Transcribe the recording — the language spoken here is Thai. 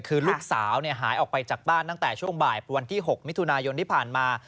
คือลูกสาวหายออกไปจากบ้านตั้งแต่ช่วงบ่ายวันที่๖มิถุนายนที่ผ่านมา